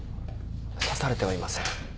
刺されてはいません。